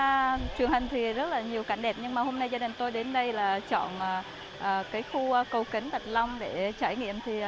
trong trường hành thì rất là nhiều cảnh đẹp nhưng mà hôm nay gia đình tôi đến đây là chọn khu cầu kến bạch long để trải nghiệm